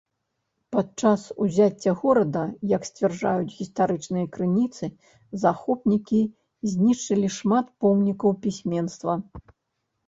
Падчас узяцця горада, як сцвярджаюць гістарычныя крыніцы, захопнікі знішчылі шмат помнікаў пісьменства.